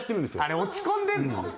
あれ落ち込んでるの？